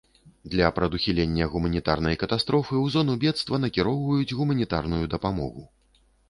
Для прадухілення гуманітарнай катастрофы ў зону бедства накіроўваюць гуманітарную дапамогу.